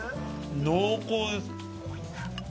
濃厚です。